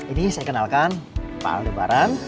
ini saya kenalkan pak aldebaran